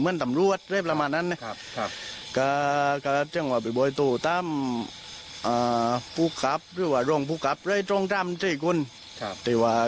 หรือไม่หรือปลอดภัยถึงที่อายการบินต่อเท่าที่นี่